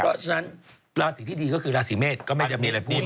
เพราะฉะนั้นราศีที่ดีก็คือราศีเมษก็ไม่ได้มีอะไรพูด